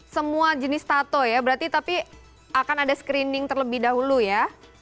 semua jenis tato ya berarti tapi akan ada screening terlebih dahulu ya